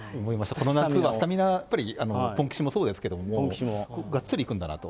この夏はスタミナ、やっぱりぽんきしもそうですけど、がっつりいくんだなと。